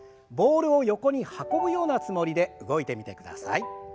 ボールを横に運ぶようなつもりで動いてみてください。